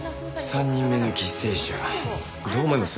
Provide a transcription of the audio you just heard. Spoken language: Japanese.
３人目の犠牲者どう思います？